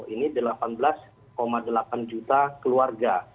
ini delapan belas delapan juta keluarga